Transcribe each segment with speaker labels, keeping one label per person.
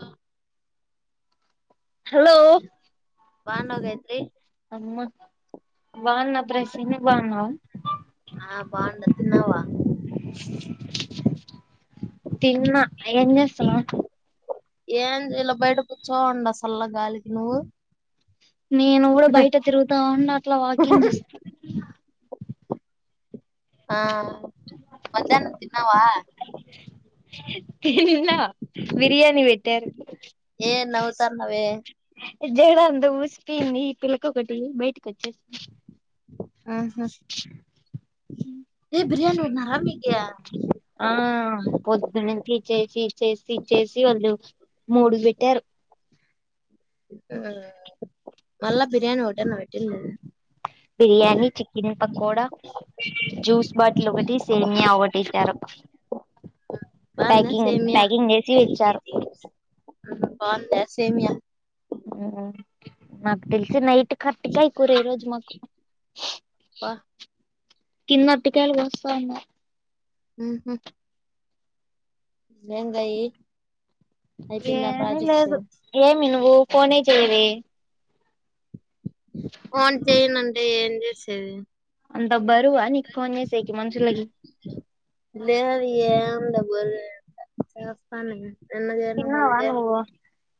Speaker 1: ఆ
Speaker 2: హలో
Speaker 1: బాగున్నావా గాయత్రి
Speaker 2: అమ్మ బాగున్నా ప్రసీని బాగున్నావ
Speaker 1: ఆ బాగుండా తిన్నావా
Speaker 2: తిన్నా ఏం చేస్తున్నావ్
Speaker 1: ఏం ఇలా బయట కూర్చోండ ఉన్న సల్ల గాలికి నువ్వు
Speaker 2: నేను కూడా బయట తిరుగుతా ఉన్నా అట్లా వాకింగ్ చేస్తు
Speaker 1: ఆ మధ్యాహ్నం తిన్నావా
Speaker 2: తిన్నా బిర్యానీ పెట్టారు
Speaker 1: ఏ నవ్వుత్తాన్నవే
Speaker 2: ఇ జెలు అంటూ పుస్ [unintelligible] ఒకటి బయటకి వచ్చేసి
Speaker 1: ఆహా ఏ బిర్యానీ పెట్టినరా మీకీ ఆ
Speaker 2: చేచి చేసి చ్చేసి వాళ్ళు మూడుకి వెట్టారు
Speaker 1: మళ్ళ బిర్యాని ఒకటేనా వెట్టిండేది
Speaker 2: biryani, chicken pakoda, juice bottle, ఒకటి సేమియా ఒకటిచ్చారు.
Speaker 1: బాగుందా సేమ్యా
Speaker 2: చేసి ఇచ్చారు
Speaker 1: మ్మ్ హ్మ్ బాగుందా సేమ్యా
Speaker 2: మ్మ్ హ్మ్ నాకు తెలిసి నైట్ కర్టికాయి కూర ఈ రోజు మాకు
Speaker 1: అబ్బా
Speaker 2: కిన్న అట్టికాయలు కోస్సావున్నార్
Speaker 1: మ్ హు బెంగాయి అయిపిందా ప్రాజెక్ట్
Speaker 2: పోనే చేయవే
Speaker 1: అవును చేయనంటే ఏం చేసేది
Speaker 2: అంత బరువా నీకు ఫోన్ చేసేకి మనుషులకి
Speaker 1: [unintelligible] చేస్తనే
Speaker 2: తిన్నావా నువ్వు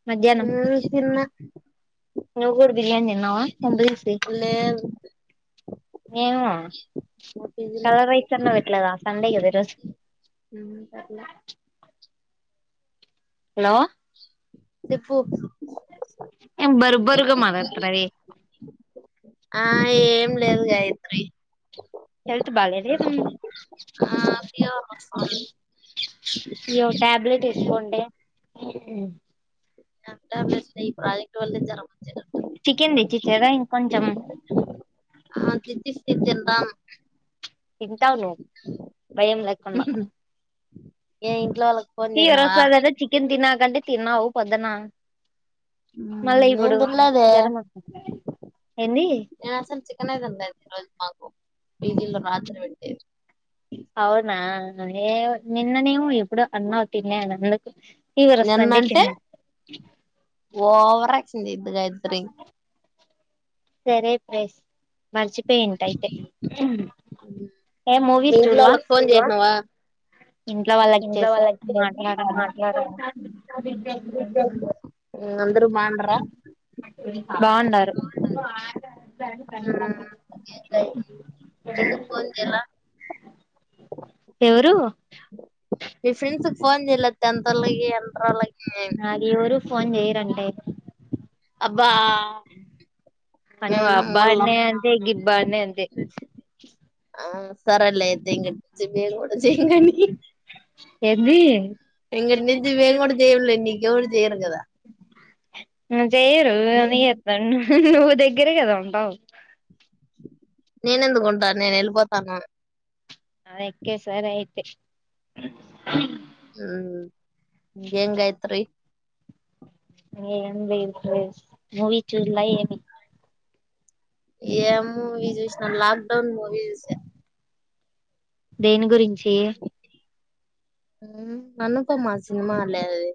Speaker 2: మధ్యాహ్నం
Speaker 1: మ్మ్ తిన్న
Speaker 2: ను కూడా బిర్యానీ తిన్నావా కొంప తీసి,
Speaker 1: లేదు
Speaker 2: ఏమో
Speaker 1: మా పీజీలో
Speaker 2: కలర్ రైస్ అన్నా పెట్టలేదా సండే కదా ఈ రోజు
Speaker 1: అట్లా
Speaker 2: హలో
Speaker 1: చెప్పు
Speaker 2: ఏం బర్బరుగా మాట్లాడుతున్నావే
Speaker 1: ఆ ఏం లేదు గాయత్రి
Speaker 2: హె త్ బలేదు ఏమ్
Speaker 1: ఆ ఫీవర్ వస్తుంది
Speaker 2: ఇ్య టాబ్లెట్ వేసుకోండే
Speaker 1: [inaudible] [unintelligible] జ్వరం వచ్చింది అంట
Speaker 2: చికెన్ తెచ్చి ఇచ్చారా ఇంకొంచెం
Speaker 1: ఆ తెచ్చిస్తే తింటాం
Speaker 2: తింటావు నువ్వు భయం లేకుండా
Speaker 1: ఏ ఇంట్లో వాళ్ళకి ఫోన్
Speaker 2: ఫీవర్
Speaker 1: చేసినావా
Speaker 2: వసద చికెన్ తినకంటే తినవ్ పోదానా
Speaker 1: నేను దుర్లేదే
Speaker 2: జ్వరం వస్తుంది ఏంది
Speaker 1: నేను అసలు చికెన్ తిన్నాది ఈ రోజు మాకు వీధీలో రాత్రలు పెడితే
Speaker 2: అవునా నిన్న నవు ఇప్పుడు అన్నవ తన్నే నందుకు
Speaker 1: నిన్నంటే ఓవర యెద్దు గాయత్రి
Speaker 2: సరే ప్రెస్ మర్చిపోయింట అయితే ఏ
Speaker 1: మీ
Speaker 2: మూవీస్
Speaker 1: ఇంట్లో
Speaker 2: చూడలా
Speaker 1: వాళ్ళకి ఫోన్ చేసినావా
Speaker 2: ఇంట్లో వాళ్ళకి
Speaker 1: ఇంట్లో
Speaker 2: చేసే
Speaker 1: వాళ్ళకి చేసా
Speaker 2: మాట్లాడాలి
Speaker 1: మాట్లాడాను అందరూ బాగుండరా
Speaker 2: బాగుండారు
Speaker 1: ఫ్రెండ్ ఫోన్ చేయలా
Speaker 2: ఎవరు
Speaker 1: మీ ఫ్రెండ్స్ కి ఫోన్ చెయలా టెంన్తోల్కి ఇంట్రోల్కి
Speaker 2: నాగుయెవరు ఫోన్ చెయరంటే
Speaker 1: అబ్బా మేం
Speaker 2: నువ్వు అబ్బా
Speaker 1: నమ్మల
Speaker 2: అన్నే అంతే గిబ్బా అన్నే అంతే
Speaker 1: సరేలే అయితే ఇ మేం కూడా చెయమ్గాని
Speaker 2: ఏంది
Speaker 1: ఇంకట్నుంచి మేము కూడా చెయ్యంలే నీకు ఎవరు చెయ్యరు కదా
Speaker 2: హ్మ్ చెయరు నే ఎత్తన్ నువ్వు దగ్గరే కదా ఉంటావ్
Speaker 1: నేనెందుకు ఉంటను నేను వెళ్ళిపోతాను
Speaker 2: ఆ అక్కే సరే అయితే
Speaker 1: హ్మ్ ఇంకేం గాయత్రి
Speaker 2: ఏం లేదు ప్రెస్ మూవీ చూడలా ఏమి
Speaker 1: ఏం మూవీ చూసినాం లాక్డౌన్ మూవీ చూసా
Speaker 2: దేని గురించి
Speaker 1: అనుపమ సినిమా లే అది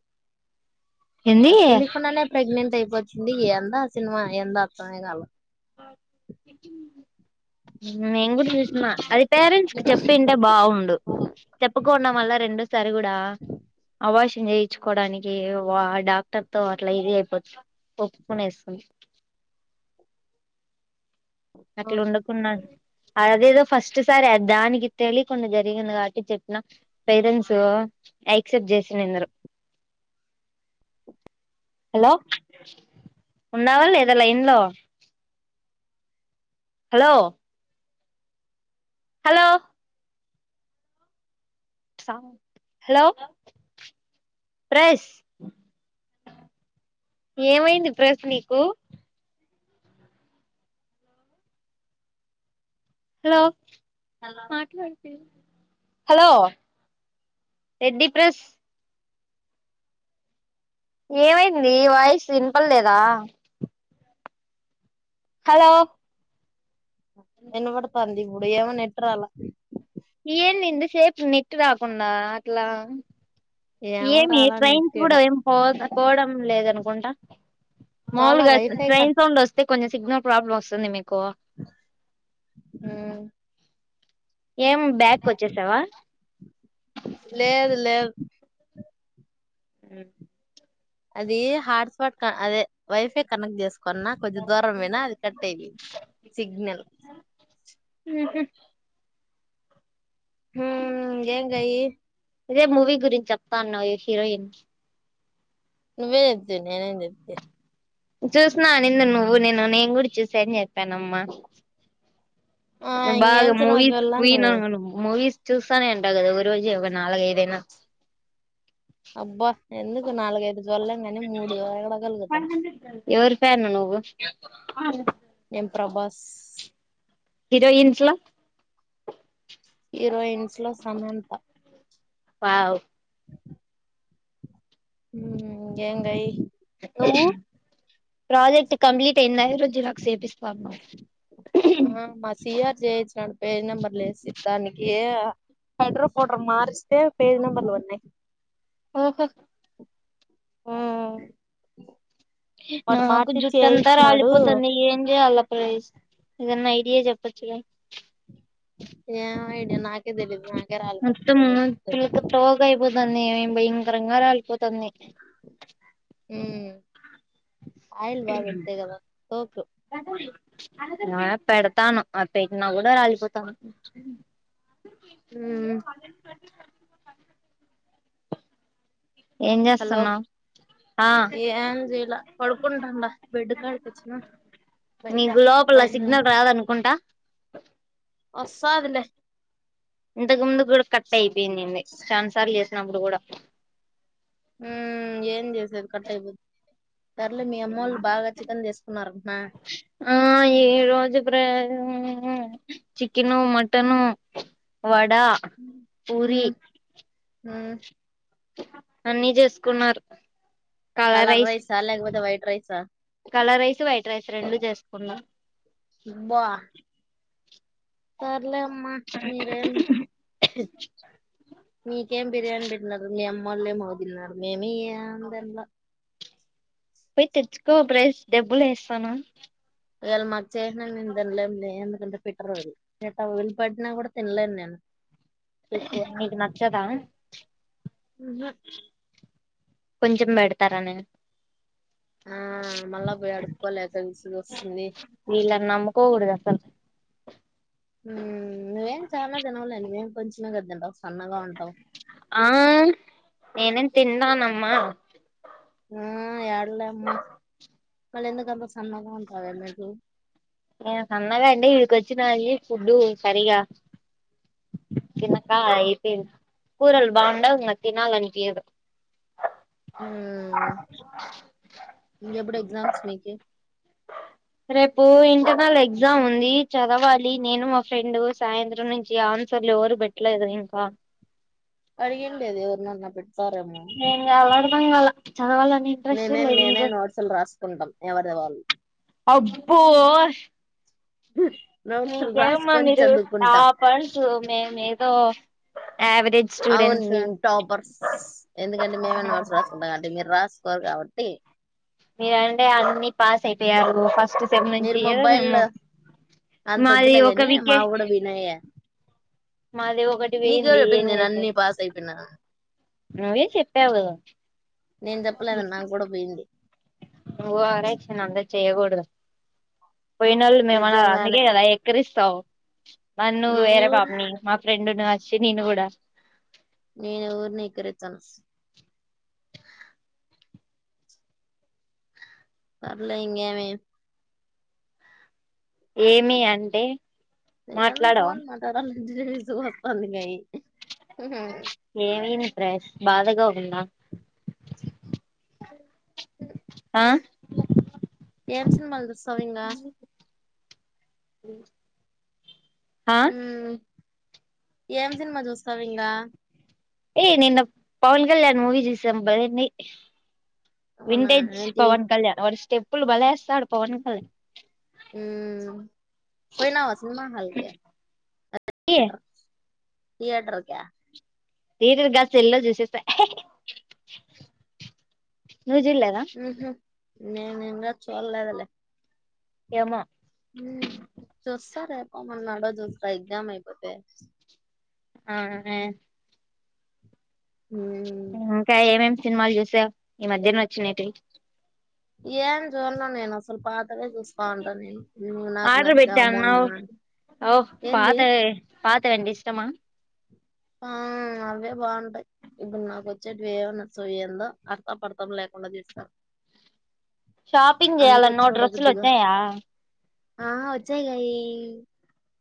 Speaker 2: ఏంది
Speaker 1: అది తెలియకుండానే ప్రెగ్నెంట్ అయిపోతుంది ఏందో ఆ సినిమా ఎందో అర్థమే కాల
Speaker 2: ఎ [inaudible] నేను కూడా చూసిన అది పేరెంట్స్ కి చెప్పింటే బాగుండు చెప్పుకుండ మల్ల రెం సరి కూడడా అబాష చేయించుకోవడానికి డాక్టర్ తో అట్లా ఇది అయిపోతుంది ఒప్పుకునేస్తుంది అట్లా ఉండకున్నా అదేదో ఫస్ట్ సారి దానికి తెలియకుండా జరిగింది కాబట్టి చెప్పిన పేరెంట్స్ యాక్సెప్ట్ చేసినందరు హలో ఉండవా లేదా లైన్ లో హలో హలో హలో ప్రెస్ ఏమైంది ప్రెస్ నీకు హలో హలో ఏంది ప్రస్ ఏమైంది వాయిస్ వినపడ్లేదా హలో
Speaker 1: వినబడుతుంది. ఇప్పుడు ఏమో నెట్ రాలా
Speaker 2: ఏంటి ఇంత సేపు నెట్ రాకుండా అట్లా
Speaker 1: ఏమో
Speaker 2: ఏమి
Speaker 1: రాలా నెట్
Speaker 2: ట్రైన్స్
Speaker 1: ఈడ
Speaker 2: కూడా ఏమి పో పోవడం లేదనుకుంటా
Speaker 1: పోలా
Speaker 2: మాములుగా
Speaker 1: వైఫై
Speaker 2: ట్రైన్ సౌండ్ వస్తే కొంచం సిగ్నల్ ప్రాబ్లమ్స్ వస్తుంది మీ
Speaker 1: హ్మ్
Speaker 2: ఏం బ్యాగ్ కోచ్చేసావా
Speaker 1: లేదు లేదు
Speaker 2: మ్
Speaker 1: అది హాట్ స్పాట్ అదే వైఫై కనెక్ట్ చేసుకున్న కొంచం దూరం పోయినా అది కట్ అయిపో సిగ్నల్
Speaker 2: ఉహు
Speaker 1: హ్మ్ ఏం గయి
Speaker 2: ఇదే మూవీ గురించి చెప్తా అన్నావ్ హీరోయిన్
Speaker 1: నువ్వేఒనద్దనవ్ నేనేం చేస్తి
Speaker 2: చూసిన నిన్న నువ్వు నేను నేను కూడా చూసాని చెప్పానమ్మా
Speaker 1: ఆ ఇంగేం
Speaker 2: బాగా
Speaker 1: సినిమా
Speaker 2: మూవీస్
Speaker 1: చూడలా
Speaker 2: క్వీన్
Speaker 1: నువ్వు
Speaker 2: అ మూవీస్ చూస్తానే ఉంటావ్ కదా ఒక రోజు ఒక నాలుగఐదైనా
Speaker 1: అబ్బా ఎందుకు నాలుగైదు చూడలేం కానీ మూడు చూడ కలుగుతాం
Speaker 2: [inaudible] నువ్వు
Speaker 1: ఏం ప్రభాస్
Speaker 2: హీరోయిన్స్లా
Speaker 1: హీరోయిన్స్లో సమాంత
Speaker 2: వావ్
Speaker 1: హ ఏం గయి
Speaker 2: ప్రాజెక్ట్ కంప్లీట్ అయింది ఈ రోజు జీరాక్స్ చూపిస్తా అన్నవ్
Speaker 1: ఆ మా సిఆర్ చేయించినాడు పేజ్ నెంబర్లు వేసి దానికి హడ్ర పడర్ మారిస్తే పేజ్ నెంబర్లు ఉన్నాయి.
Speaker 2: ఓహో
Speaker 1: వాడు
Speaker 2: నాకు
Speaker 1: మార్చి
Speaker 2: జుట్ అంతా
Speaker 1: చేయించినాడు
Speaker 2: రాలిపోతుంది ఏం చేయాల ప్రైస్ ఏదన్న ఐడియా చెప్పచ్చుగా
Speaker 1: ఏం ఐడియా నా
Speaker 2: మొత్తము పిల్క పోగ్ గయిపోతంది. భయం కరంగా రాలిపోతున్నాయ్
Speaker 1: ఆయిల్ బా పెడతాయి కదా సోపులు
Speaker 2: అ పెడతను ఆ పెేకి నా కూడా రాలిపోతాను
Speaker 1: హ
Speaker 2: ఏం
Speaker 1: హలో
Speaker 2: చేస్తున్నావ్ ఆ
Speaker 1: ఏం చేయలా పడుకుంటడా బెడ్ కాడుకొచ్చిన బయట
Speaker 2: నీకు
Speaker 1: ప
Speaker 2: లోపల సిగ్నల్ రాదనుకుంటా
Speaker 1: వస్తాదులే
Speaker 2: ఇంతకు ముందు కూడా కట్ అయిపోయిందిండి ఆన్సర్లు చేసినప్పుడు కూడా
Speaker 1: హ ఏన్ దస కట్ అయిపోతుంది తర్లే మీ అమ్మళ్ళు బాగా చికెన్ చేసుకున్నారుమా
Speaker 2: ఆ ఈ రోజు చికెను మటను వడ పూరీ
Speaker 1: హ్మ్
Speaker 2: అన్నీ చేసుకున్నారు.
Speaker 1: కలర్ రైస్ చాలే ఆపోతే వైట్ రైస్ హా
Speaker 2: కలర్ రైస్ వైట్ రైస్ రెండు చేసుకున్నా.
Speaker 1: కోర్ వద్లేమ్న మీరేం మీకేం బిర్యానీ పెట్టిన్నారు మీ అమ్మోల్ ఎమ్మో తిన్నారు మేమి ఏం దీన్ల
Speaker 2: పోయ్ తెచ్చుకో ప్రైస్ డబ్బులు వేస్తాను.
Speaker 1: ఎల్ మట్ చేసిన మేం తిన్లేం లే ఎంద్క్ దాంట్లో పెట్రోల్ రేప్ పగ్గుల్ పట్టిన కూడా తిన్లేే నేన్
Speaker 2: మీకు నచ్చదా
Speaker 1: హు హ్మ్
Speaker 2: కొంచెం పెడతారా నేను
Speaker 1: ఆ మళ్ళా బోయ్ అడుకోలేక్ [unintelligible] వస్తుంది
Speaker 2: కోకూడదు అసల్
Speaker 1: మ్మ్ నువ్వేం చాలా తినవ్లే నువ్వేం కొంచెమే కాద తింటావ్స్ సన్నగా ఉంటావ్
Speaker 2: నేనెన్ తిన్నానమ్మా
Speaker 1: హు యాడలే అమ్మా కళ్ళు ఎందుకుంత సన్నగ్
Speaker 2: ప్చ్ ఏం సన్నగాండి ఇవి కోచ్ చినాయి ఫుడ్ సరిగా తినకా అయితేం కూరలు బాగుండవ్ నాకు తినాలి అనిపియదు.
Speaker 1: ఉమ్ ఇంకెప్పుడు ఎగ్జామ్స్ మీకి
Speaker 2: రేపు ఇంతక్ మాళ్ళ ఎగ్జామ్ ఉంది. చదవాలి నేను మా ఫ్రెండ్ సాయంత్రం నుంచి ఆన్సర్లు ఎవరు పెట్టలేదు ఇంకా
Speaker 1: అడిగండడి అదే ఒరణన్న పె
Speaker 2: నేన్ గ బంగాల
Speaker 1: నేనేను నేనేను డ్సలు రాసుకుంటాం ఎవరిది వాళ్ళు
Speaker 2: అబ్బోస్
Speaker 1: బ నోట్స్లు రాసుకొని
Speaker 2: మీరు
Speaker 1: చదువుకుంటాం
Speaker 2: టాపర్స్ మేమేదో యావరేజ్
Speaker 1: అవును
Speaker 2: స్టూడెంట్స్
Speaker 1: మే టాపర్స్ ఎందుకంటే మేమే నోట్స్ రాసుకుంటాంంటే మీరు రాసు ఫర్ కాబట్టి
Speaker 2: మీరంటే అన్ని పాస్ అయిపోయారు ఫస్ట్ సెమ్ నుంచి
Speaker 1: మీరు
Speaker 2: ఏదో
Speaker 1: మొబైల్
Speaker 2: మేము
Speaker 1: అంత
Speaker 2: మాది
Speaker 1: వద్లే
Speaker 2: ఒక
Speaker 1: కాని మా
Speaker 2: వికే
Speaker 1: కూడా వినయ
Speaker 2: మాది ఒకటి పోయింది
Speaker 1: నకవరు ఎ
Speaker 2: ఏం
Speaker 1: పెంది అన్నీ
Speaker 2: చేసేది
Speaker 1: పాస్ అయిపోయిన
Speaker 2: నువ్వే చెప్పావు
Speaker 1: నేను చెప్పలేద నాకు కూడా పోయింది
Speaker 2: నువ్ అర ఇక్ష నంతా చేయ్యకూడదు పోయినోళ్ళు మేమ
Speaker 1: నిజంగానే
Speaker 2: అందుకే కదా ఎక్కరిస్తావు నన్ను
Speaker 1: నేను
Speaker 2: వేరే
Speaker 1: ఎవరు
Speaker 2: పాపని మా ఫ్రెండుని చి నెను కూడా
Speaker 1: నేనువరిని ఎక్కిరించను పర్లే ఇంగమే
Speaker 2: ఏమి అంటే
Speaker 1: ఎందు
Speaker 2: మాట్లాడవా
Speaker 1: పోన్ మాటాడాలి ర సహస్ పంద గయి
Speaker 2: ఏవి ఫ్రెష్ బాధకవుంద
Speaker 1: అ ఏం సినిమాలు జూసవింగ
Speaker 2: ఉ
Speaker 1: ఊ ఏం సినిమా చూస్తావ ఇంగా
Speaker 2: ఏయ నిన్న పవన్ కళ్యాణ్ మూవి జూసం బావుంది
Speaker 1: అవునా
Speaker 2: వింటేజ్
Speaker 1: ఏంటి
Speaker 2: పవన్ కళ్యాణ్ వర స్టేప్ పప్పులు బలేస్తాడు పవన్ కాల
Speaker 1: ఉమ్ పోయినావ సినిమా హల్క
Speaker 2: ఏ
Speaker 1: థియేటర్ క
Speaker 2: తీర గాస్ ఎల్లో చూసేస
Speaker 1: మ్మ్ హ్ [unintelligible] చోడ్లేదలే
Speaker 2: ఏమ్మె
Speaker 1: మ్మ్ చూస్స్తారేప్పన్ మన్నాడో జూస్తాయ్ ఎగ్జామ్ అయిపోతే
Speaker 2: అవునే ప్చ్
Speaker 1: మ్మ్
Speaker 2: ఇంకా ఏమేమి సినిమాలు జాసావ్ ఈ మధ్యన వచ్చినేటివి
Speaker 1: ఏం జుర్నన్ నేను అస్ అసలు పాతవే చూస్తా ఉంటాను. నేను నువ్వు నాకు
Speaker 2: ఆర్డర్ పెట్టా
Speaker 1: నచ్చావ్
Speaker 2: అన్నావ్
Speaker 1: మోన్నా
Speaker 2: ఓ
Speaker 1: ఏంది.
Speaker 2: పాతవి పాతవంటే ఇష్టమా
Speaker 1: ఆ మ్ అవే బాగుంటాయ్, ఇప్పుడు నాకు వచ్చేటివి ఏం నచ్చవ్ ఏందో అర్థపర్తం లేకుండా దీస్తారు.
Speaker 2: షాపింగ్ చేయాలన్నో డ్రెస్లు వచ్చాయా
Speaker 1: ఆ వచ్చాయి గాయి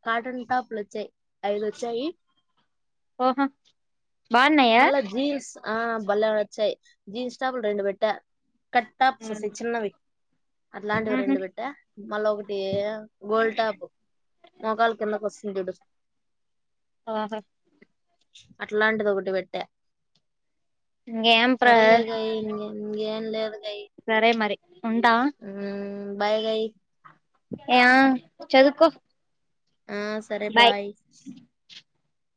Speaker 1: కాటన్ టాప్లు వచ్చాయి ఐదు వచ్చాయి
Speaker 2: ఓహో బాగున్నాయా
Speaker 1: మళ్ళా జీన్స్ ఆమ్ బల్లే వచ్చయ్ జీన్స్ టాపుల్ రెండు వెట్ట కట్ట్ టాప్స్ సి చిన్నవి అట్లాంటివి
Speaker 2: ఉహు
Speaker 1: రెండు పెట్టా మళ్ళా ఒకటి గొల్డ్ టాప్ మోకాల కిందకి వస్తుంది చూడు
Speaker 2: ఓహో
Speaker 1: అట్లాంటిదొకటి పెట్టా
Speaker 2: ఇంకేం ప్ర
Speaker 1: సరలే ఇక ఎ ఎం లేవలై
Speaker 2: సరే మరి ఉంటా
Speaker 1: మ్ బాయ్ గాయ్
Speaker 2: యా చదుకో
Speaker 1: ఆ సరే బాయ్